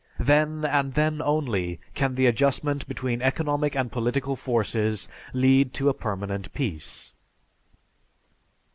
Then and then only, can the adjustment between economic and political forces lead to a permanent peace.